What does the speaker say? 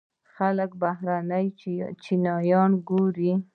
خلک بهرني چینلونه ګوري.